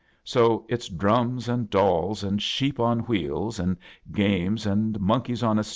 So it's drums, and dolls, and sheep on ^hfels', arid games, and monkeys on a'.